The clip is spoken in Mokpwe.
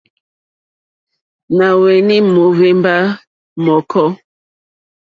Nà hwenì mohvemba mɔ̀kɔ.